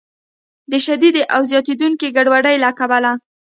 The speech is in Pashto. د شدیدې او زیاتیدونکې ګډوډۍ له کبله